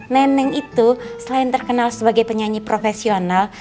neneng itu selain terkenal sebagai penyanyi profesional